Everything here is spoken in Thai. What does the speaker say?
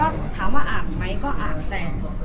แต่ว่าถามว่าอ่านไหมก็อ่านแต่